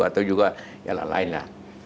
atau juga yang lain lain